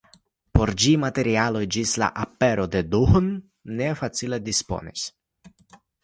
Por ĝi materialoj ĝis la apero de Duhn ne facile disponis.